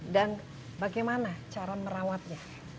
dan bagaimana cara merawatnya